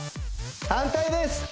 反対です